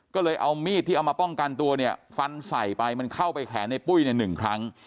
ก็เลยเอามีดที่เอามาป้องกันตัวเนี่ยฟันใส่ไปมันเข้าไปแขนในปุ้ยเนี่ยหนึ่งครั้ง